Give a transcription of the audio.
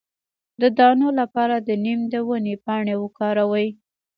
د دانو لپاره د نیم د ونې پاڼې وکاروئ